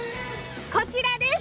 こちらです！